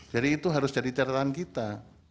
jadi itu harus jadi catatan kita